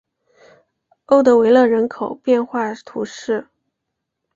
欧德维勒人口变化图示